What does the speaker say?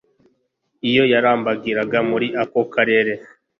iyo yarambagiraga muri ako Karere.